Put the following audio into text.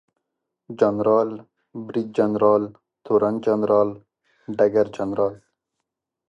جنرال، بریدجنرال، تورن جنرال ، ډګرجنرال